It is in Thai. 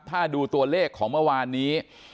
ถ้าดูตัวเลขของเมื่อวานนี้